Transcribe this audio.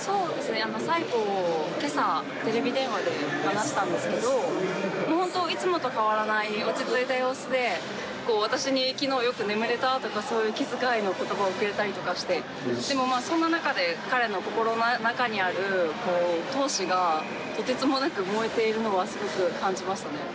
最後、今朝テレビ電話で話したんですけれど、いつもと変わらない落ち着いた様子で私に、きのうよく眠れた？とか気遣いの言葉をくれたりとかして、そんな中で、彼の心の中にある闘志がとてつもなく燃えているのは感じましたね。